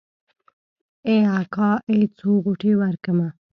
ای اکا ای څو غوټې ورکمه.